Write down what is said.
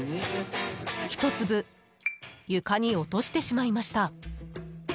１粒、床に落としてしまいました。